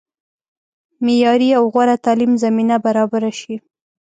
معیاري او غوره تعلیم زمینه برابره شي.